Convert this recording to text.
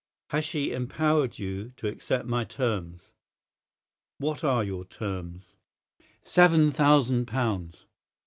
Has she empowered you to accept my terms?" "What are your terms?" "Seven thousand pounds."